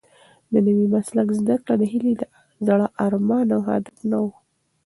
د نوي مسلک زده کړه د هیلې د زړه ارمان او هدف نه و.